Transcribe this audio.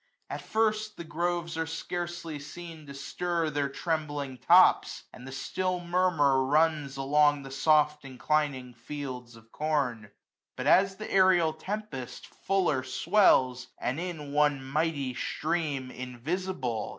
At first the groves are scarcely seen to stir Their trembling tops ; and a still murmur runs Along the soft inclining fields of corn. 315 But as the aerial tempest fuller swells, And in one mighty stream, invisible.